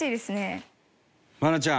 愛菜ちゃん。